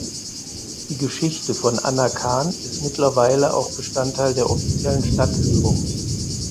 Die Geschichte von Anna Kahn ist mittlerweile auch Bestandteil der offiziellen Stadtführungen.